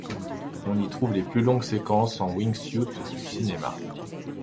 On y retrouve les plus longues séquences en wingsuit du cinéma.